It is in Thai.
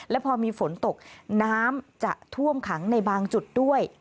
และพอมีฝนตกน้ำจะท่วมขังในบางจุดด้วย